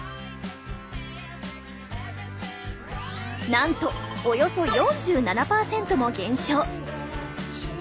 なんとおよそ４７％も減少！